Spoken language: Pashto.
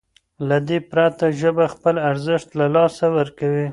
له دې پرته ژبه خپل ارزښت له لاسه ورکوي.